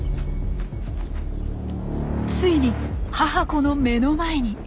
ついに母子の目の前に！